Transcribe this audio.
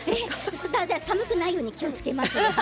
寒くないように気をつけます。